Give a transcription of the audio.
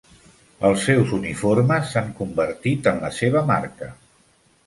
Els seus uniformes s'han convertit en la seva marca.